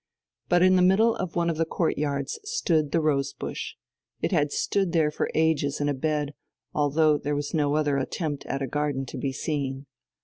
But in the middle of one of the courtyards stood the rose bush, it had stood there for ages in a bed, although there was no other attempt at a garden to be seen.